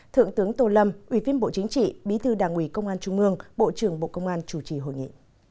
thượng tướng tô lâm ủy viên bộ chính trị bí thư đảng ủy công an trung mương bộ trưởng bộ công an chủ trì hội nghị